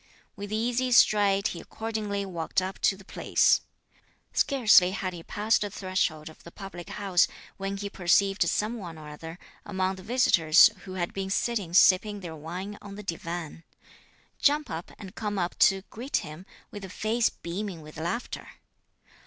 With easy stride, he accordingly walked up to the place. Scarcely had he passed the threshold of the public house, when he perceived some one or other among the visitors who had been sitting sipping their wine on the divan, jump up and come up to greet him, with a face beaming with laughter.